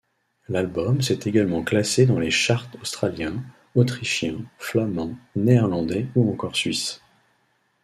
L'album s'est également classé dans les charts australiens, autrichiens, flamands, néerlandais ou encore suisse.